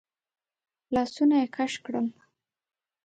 لاسونه يې کش کړل.